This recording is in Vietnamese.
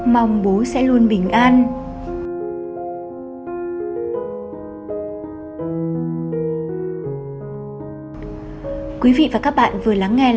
mong bố sẽ luôn bình an